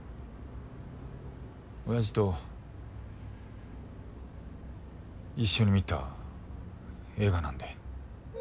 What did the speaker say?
親父と一緒に観た映画なんで。